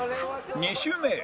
２周目へ